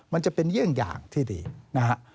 มันจะเป็นเยี่ยงอย่างที่ดีนะฮะ